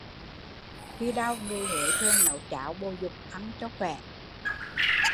Khi đau, người Huế thường nấu cháo bồ dục ăn cho khỏe